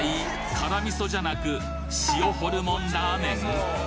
辛味噌じゃなく塩ホルモンラーメン？